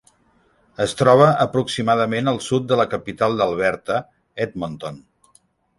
Es troba aproximadament al sud de la capital d'Alberta, Edmonton.